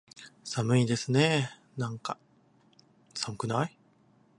寒いですねーなんか、寒くない？